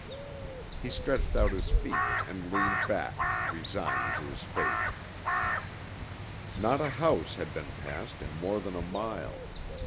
He stretched out his feet and leaned back, resigned to his fate. Not a house had been passed in more than a mile.